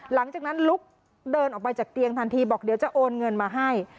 หลังจากนั้นลุกเดินออกไปจากเตียงทันทีบอกเดี๋ยวจะโอนเงินมาให้